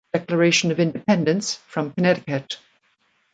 Declaration of Independence from Connecticut.